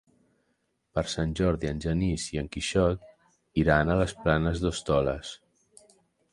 Per Sant Jordi en Genís i en Quixot iran a les Planes d'Hostoles.